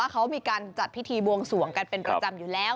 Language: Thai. เขามีการจัดพิธีบวงสวงกันเป็นประจำอยู่แล้ว